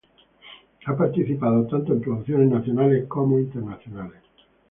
Ha participado tanto en producciones nacionales como internacionales.